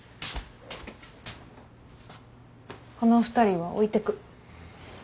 この２人は置いてく。